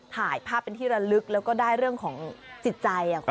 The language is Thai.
ถ่ายภาพเป็นที่ระลึกแล้วก็ได้เรื่องของจิตใจ